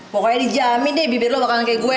pokoknya dijamin deh bibir lo bakalan kayak gue